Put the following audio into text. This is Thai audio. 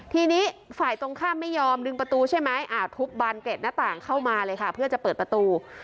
ทีนี้ฝ่ายตรงข้ามไม่ยอมดึงประตูใช่ไหมทุบบานเกร็ดหน้าต่างเข้ามาเลยค่ะเพื่อจะเปิดประตู